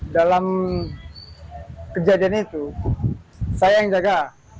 dalam kejadian itu saya yang jaga